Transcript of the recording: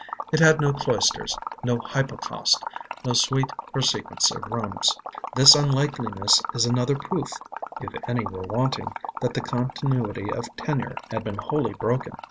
It had no cloisters, no hypocaust, no suite or sequence of rooms. This unlikeness is another proof, if any were wanting, that the continuity of tenure had been wholly broken.